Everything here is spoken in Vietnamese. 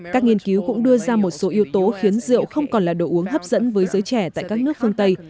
các nghiên cứu cũng đưa ra một số yếu tố khiến rượu không còn là đồ uống hấp dẫn với giới trẻ tại các nước phương tây